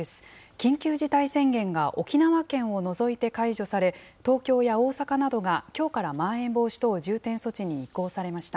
緊急事態宣言が沖縄県を除いて解除され、東京や大阪などがきょうからまん延防止等重点措置に移行されました。